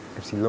kẹp xin lỗi